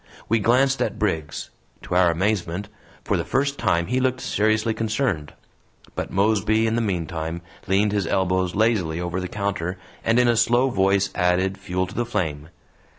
We glanced at Briggs; to our amazement, for the first time he looked seriously concerned. But Mosby in the meantime leaned his elbows lazily over the counter and, in a slow voice, added fuel to the flame.